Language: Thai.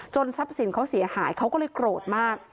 ทรัพย์สินเขาเสียหายเขาก็เลยโกรธมาก